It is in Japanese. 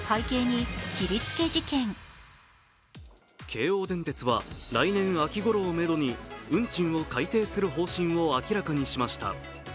京王電鉄は来年秋ごろをめどに、運賃を改定する方針を明らかにしました。